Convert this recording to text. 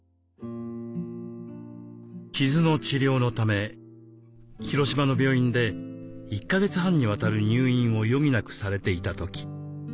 傷の治療のため広島の病院で１か月半にわたる入院を余儀なくされていた時。